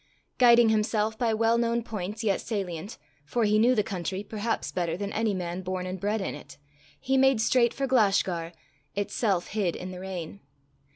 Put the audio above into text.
Guiding himself by well known points yet salient, for he knew the country perhaps better than any man born and bred in it, he made straight for Glashgar, itself hid in the rain.